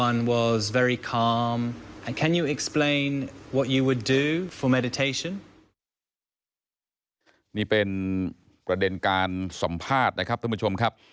นี่เป็นประเด็นการสัมภาษณ์นะครับท่านผู้ชมครับ